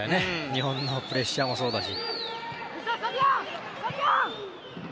日本のプレッシャーもそうだし。